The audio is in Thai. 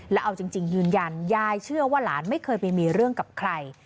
แล้วเอาจริงยืนยันยายเชื่อว่าหลานไม่เคยไปมีเรื่องกับใคร